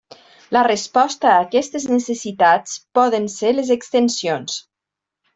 La resposta a aquestes necessitats poden ser les extensions.